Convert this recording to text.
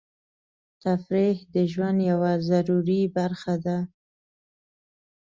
تفریح د ژوند یوه ضروري برخه ده.